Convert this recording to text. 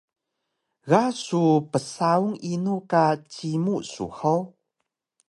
Ga su bsaun inu ka cimu su hug?